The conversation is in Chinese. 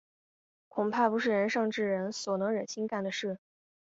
恐怕不是仁圣之人所能忍心干的事。